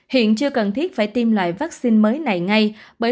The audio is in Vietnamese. hiện chưa cần thiết phải tiêm loại vaccine mới này ngay